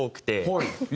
はい。